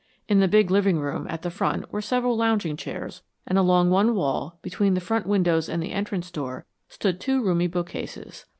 In the big living room, at the front, were several lounging chairs, and along one wall, between the front windows and the entrance door, stood two roomy bookcases.